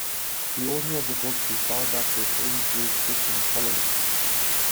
The order of the books is bound up with early Jewish-Christian polemics.